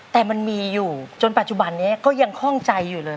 แต่มันมีอยู่จนปัจจุบันนี้ก็ยังคล่องใจอยู่เลย